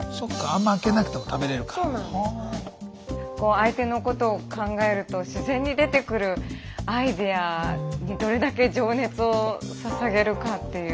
相手のことを考えると自然に出てくるアイデアにどれだけ情熱をささげるかっていう。